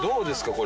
これ。